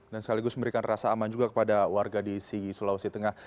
dan sekaligus memberikan rasa aman juga kepada warga di sulawesi tengah